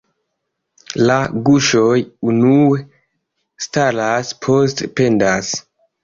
La guŝoj unue staras, poste pendas.